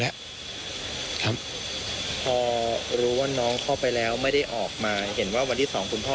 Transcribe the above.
ครับครับพอรู้ว่าน้องเข้าไปแล้วไม่ได้ออกมาเห็นว่าวันที่สองคุณพ่อ